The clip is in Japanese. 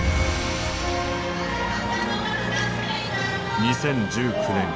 ２０１９年。